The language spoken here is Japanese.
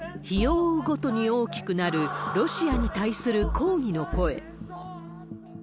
日を追うごとに大きくなる、ロシアに対する抗議の声。